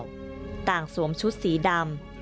เฉพาะสู่มริย์ชุดสีดำ